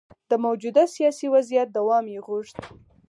د موجوده سیاسي وضعیت دوام یې غوښت.